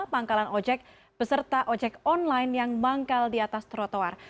pangkalan ojek beserta ojek online yang manggal di atas trotoar